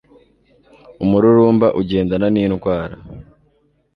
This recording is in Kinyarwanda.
Umururumba Ugendana nIndwara